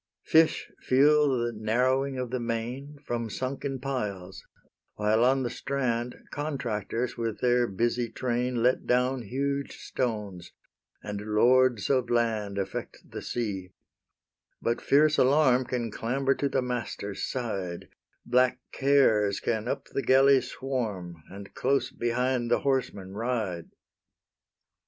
Fish feel the narrowing of the main From sunken piles, while on the strand Contractors with their busy train Let down huge stones, and lords of land Affect the sea: but fierce Alarm Can clamber to the master's side: Black Cares can up the galley swarm, And close behind the horseman ride.